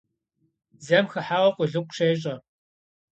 Дзэм хыхьауэ къулыкъу щещӀэ.